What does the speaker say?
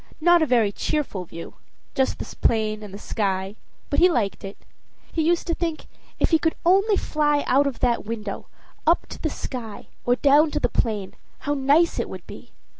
Not a very cheerful view, just the plain and the sky, but he liked it. He used to think, if he could only fly out of that window, up to the sky or down to the plain, how nice it would be!